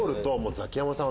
ザキヤマさん